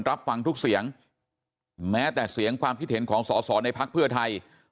รับฟังทุกเสียงแม้แต่เสียงความคิดเห็นของสอสอในพักเพื่อไทย